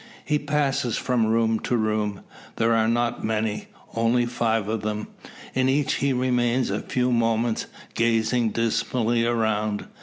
He passes from room to room. There are not many only five of them. In each he remains a few moments, gazing dismally around.